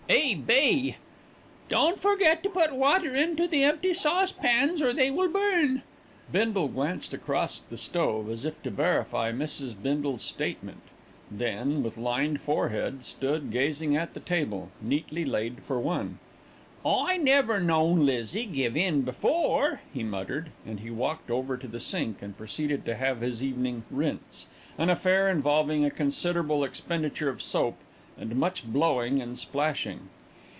"E. B. "Don't forget to put water into the empty saucepans or they will burn." Bindle glanced across at the stove as if to verify Mrs. Bindle's statement, then, with lined forehead, stood gazing at the table, neatly laid for one. "I never known Lizzie give in before," he muttered, and he walked over to the sink and proceeded to have his evening "rinse," an affair involving a considerable expenditure of soap and much blowing and splashing.